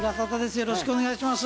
よろしくお願いします。